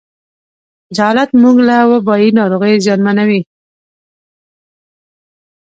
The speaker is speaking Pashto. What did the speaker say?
جهالت موږ له وبایي ناروغیو زیانمنوي.